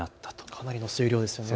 かなりの水量ですね。